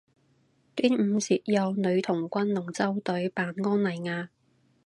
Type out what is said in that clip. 端午節有女童軍龍舟隊扮安妮亞